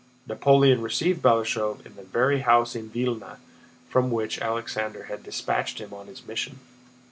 Napoleon received Balashëv in the very house in Vílna from which Alexander had dispatched him on his mission.